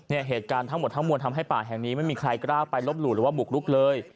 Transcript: เหตุการณ์ทั้งหมดทั้งมวลทำให้ป่าแห่งนี้ไม่มีใครกล้าไปลบหลู่หรือว่าบุกรุกเลย